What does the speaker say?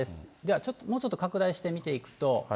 これをもうちょっと拡大して見てみると。